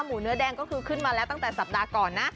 เนื้อแดงก็คือขึ้นมาแล้วตั้งแต่สัปดาห์ก่อนนะ